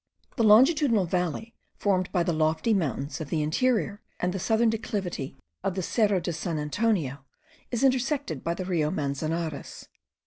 The longitudinal valley formed by the lofty mountains of the interior and the southern declivity of the Cerro de San Antonio, is intersected by the Rio Manzanares.